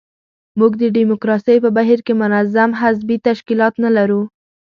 موږ د ډیموکراسۍ په بهیر کې منظم حزبي تشکیلات نه لرو.